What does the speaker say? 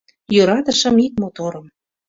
Йӧратышым ик моторым